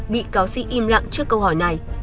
bị cáo sĩ im lặng trước câu hỏi này